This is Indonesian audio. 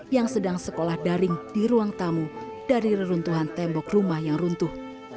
yang sedang sekolah daring di ruang tamu dari reruntuhan tembok rumah yang runtuh